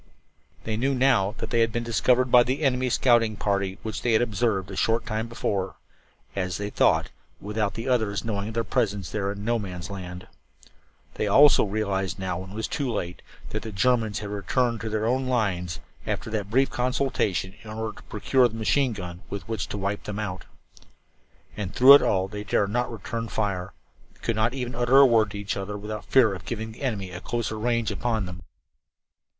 They knew now that they had been discovered by the enemy scouting party which they had observed a short time before as they thought, without the others knowing of their presence there in "No Man's Land." They also realized now, when it was too late, that the Germans had returned to their own lines, after that brief consultation, in order to procure the machine gun with which to wipe them out. And through it all they dared not return the fire, could not even utter a word to each other without fear of giving the enemy a closer range upon them.